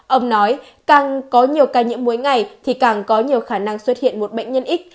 ông nói càng có nhiều ca nhiễm mỗi ngày thì càng có nhiều khả năng xuất hiện một bệnh nhân ít